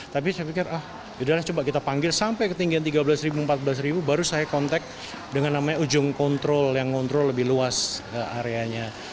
tapi saya pikir ah yaudahlah coba kita panggil sampai ketinggian tiga belas empat belas baru saya kontak dengan namanya ujung kontrol yang ngontrol lebih luas areanya